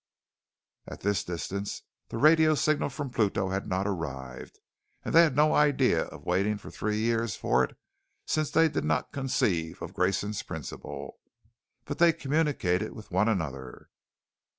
At this distance, the radio signal from Pluto had not arrived, and they had no idea of waiting for three years for it since they did not conceive of Grayson's Principle. But they communicated with one another.